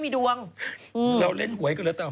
ปลาหมึกแท้เต่าทองอร่อยทั้งชนิดเส้นบดเต็มตัว